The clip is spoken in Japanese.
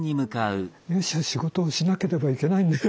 よし仕事をしなければいけないんだよ